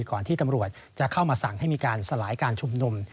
ก่อนที่ตำรวจจะเข้ามาสั่งให้มีการสลายการชุมนุม